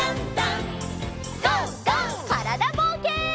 からだぼうけん。